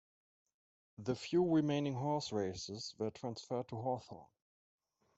The few remaining horse races were transferred to Hawthorne.